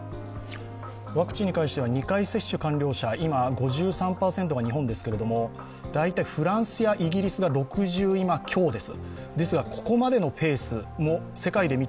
ワクチンに関しては２回接種完了社５３％が日本ですけれども、大体フランスやイギリスが今、６０強です。